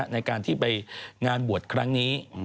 ในการที่ไปงานบวชครั้งนี้